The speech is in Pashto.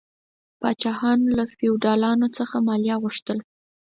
پاچاهانو له فیوډالانو څخه مالیه غوښتل.